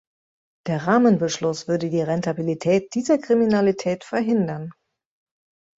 Der Rahmenbeschluss würde die Rentabilität dieser Kriminalität verhindern.